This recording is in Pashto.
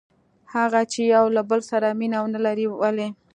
هغه چې یو له بل سره مینه ونه لري؟ ولې؟